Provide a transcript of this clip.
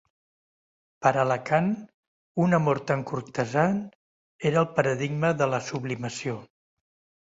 Per a Lacan, un amor tan cortesà era "el paradigma de la sublimació".